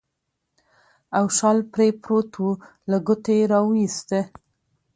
او شال پرې پروت و، له کوټې راوایسته.